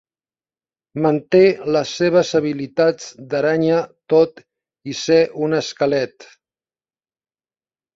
Manté les seves habilitats d'aranya tot i ser un esquelet.